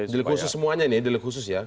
dilik khusus semuanya ini ya